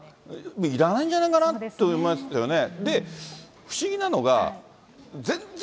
いらないんじゃないかなと思いますけどね。